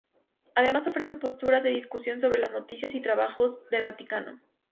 Además ofrece posturas de discusión sobre las noticias y trabajos del Vaticano.